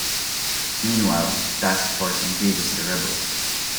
Meanwhile the Task Force engages the rebels.